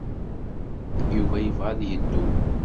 Yuba yebɣa ad yeddu.